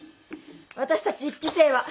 私たち１期生は。